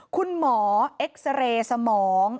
คุณหมอเอ็กซาเรย์สมอง